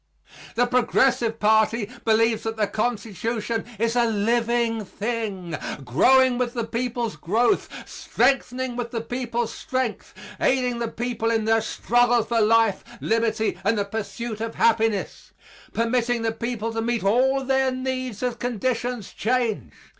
The Progressive party believes that the Constitution is a living thing, growing with the people's growth, strengthening with the people's strength, aiding the people in their struggle for life, liberty and the pursuit of happiness, permitting the people to meet all their needs as conditions change.